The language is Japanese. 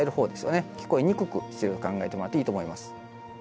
聞こえにくくしてると考えてもらっていいと思います。